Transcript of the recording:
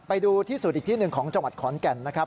ไปดูที่สุดอีกที่หนึ่งของจังหวัดขอนแก่นนะครับ